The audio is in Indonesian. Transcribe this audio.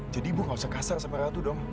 jadi bu gak usah kasar sama ratu dong